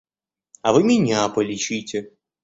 А вы меня полечите.